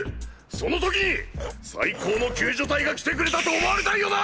その時に「最高の救助隊が来てくれた」と思われたいよな！？